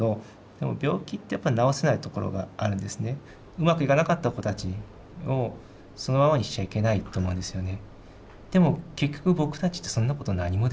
うまくいかなかった子たちをそのままにしちゃいけないと思うんですよね。